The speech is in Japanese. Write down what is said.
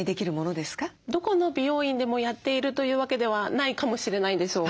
どこの美容院でもやっているという訳ではないかもしれないんですよ。